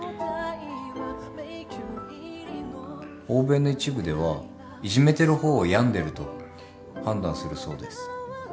欧米の一部ではいじめてる方を病んでると判断するそうです。